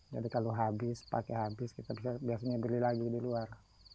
jadi kalau habis pakai habis kita biasanya bisa beli lagi di luar